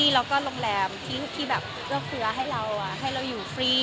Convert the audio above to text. แล้วก็โลงแรมที่เหลือเพื้อให้เราอยู่ฟรี